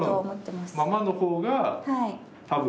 ままの方が多分。